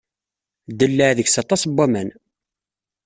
Ddellaɛ deg-s aṭas n waman.